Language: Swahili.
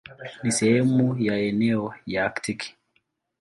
Ni sehemu ya eneo la Aktiki.